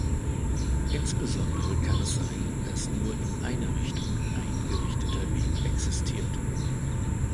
Insbesondere kann es sein, dass nur in eine Richtung ein gerichteter Weg existiert.